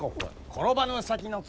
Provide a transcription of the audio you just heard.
転ばぬ先の杖！